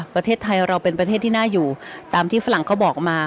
ประเทศไทยเราเป็นประเทศที่น่าอยู่ตามที่ฝรั่งเขาบอกมา